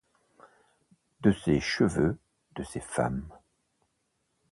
De ces cheveux, de ces femmes